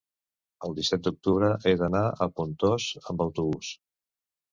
el disset d'octubre he d'anar a Pontós amb autobús.